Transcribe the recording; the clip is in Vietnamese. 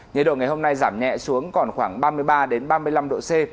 nhiệt độ ngày hôm nay giảm nhẹ xuống còn khoảng ba mươi ba ba mươi năm độ c